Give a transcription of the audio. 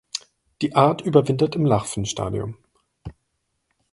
Die Art überwintert im Larvenstadium.